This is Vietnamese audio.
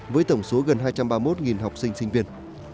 với tổng số gần hai trăm ba mươi một học sinh sinh viên